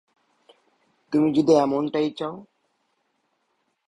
তুমি যদি এমনটাই চাও।